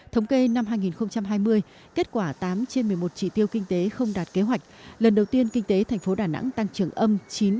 thống kê năm hai nghìn hai mươi kết quả tám trên một mươi một trị tiêu kinh tế không đạt kế hoạch lần đầu tiên kinh tế thành phố đà nẵng tăng trưởng âm chín mươi